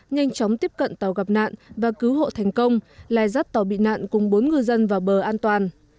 nhanh chóng tiếp cận tàu gặp nạn và cứu hộ thành công lai dắt tàu bị nạn cùng bốn ngư dân vào bờ an toàn